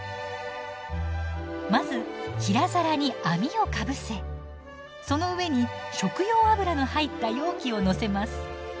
まず平皿に網をかぶせその上に食用油の入った容器を載せます。